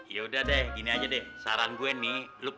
yaudah deh gini aja deh saran gue nih